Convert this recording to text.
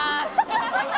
ハハハハ！